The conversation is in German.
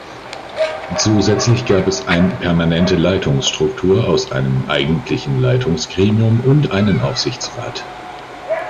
Zusätzlich gab es ein permanente Leitungsstruktur aus einem eigentlichen Leitungsgremium und einen Aufsichtsrat.